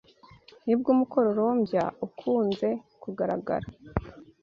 ni bwo umukororombya ukunze kugaragara